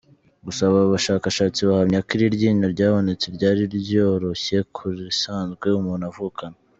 Gusa aba bashakashatsi bahamya ko iri ryinyo ryabonetse ryari ryoroshye ku risanzwe umuntu avukana.